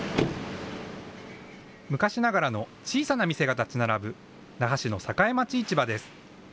昔ながらの小さな店が建ち並ぶ那覇市の栄町市場です。